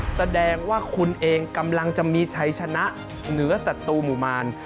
แสดงว่าคุณเองกำลังจะมีชัยชนะเหนือศัตรูหมู่มาร